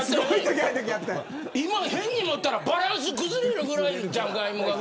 変に持ったらバランス崩れるぐらいのじゃがいもが。